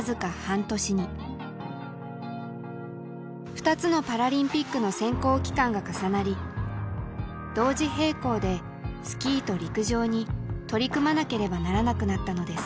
２つのパラリンピックの選考期間が重なり同時並行でスキーと陸上に取り組まなければならなくなったのです。